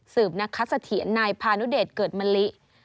สืบนะครับสถินายพาณุเดชเกิดมะลิ